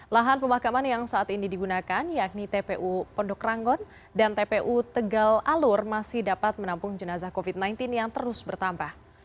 lahan pemakaman yang saat ini digunakan yakni tpu pondok ranggon dan tpu tegal alur masih dapat menampung jenazah covid sembilan belas yang terus bertambah